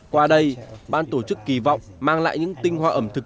qua đây ban tổ chức kỳ vọng mang lại những tinh hoa ẩm thực